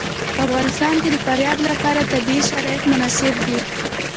په افغانستان کې د فاریاب لپاره طبیعي شرایط مناسب دي.